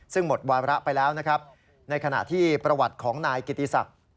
ซึ่งหมดวาระไปแล้วนะครับในขณะที่ประวัติของนายกิติศักดิ์